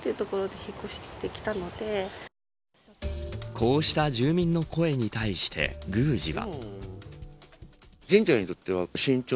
こうした住民の声に対して宮司は。